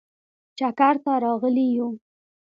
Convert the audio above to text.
چکر ته راغلي یو.